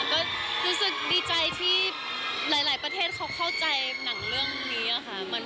ก็รู้สึกดีใจที่หลายประเทศเขาเข้าใจหนังเรื่องนี้ค่ะ